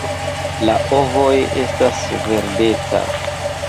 La ovoj estas verdecaj.